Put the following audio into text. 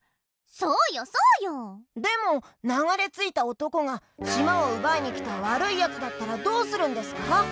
そうよそうよ！でもながれついたおとこがしまをうばいにきたわるいやつだったらどうするんですか？